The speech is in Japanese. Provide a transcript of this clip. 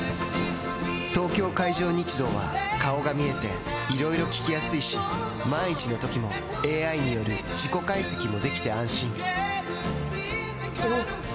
東京海上日動は顔が見えていろいろ聞きやすいし万一のときもＡＩによる事故解析もできて安心おぉ！